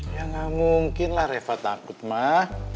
ya gak mungkin lah reva takut mas